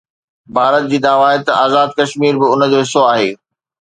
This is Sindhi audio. ڀارت جي دعويٰ آهي ته آزاد ڪشمير به ان جو حصو آهي.